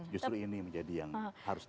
justru ini yang harus kita perhatikan